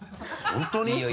本当に？